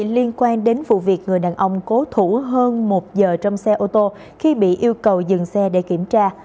liên quan đến vụ việc người đàn ông cố thủ hơn một giờ trong xe ô tô khi bị yêu cầu dừng xe để kiểm tra